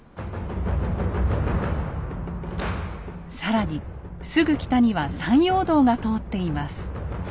更にすぐ北には山陽道が通っています。